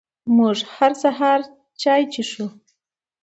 موږ هر سهار چای څښي🥃